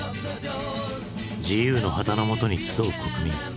自由の旗のもとに集う国民。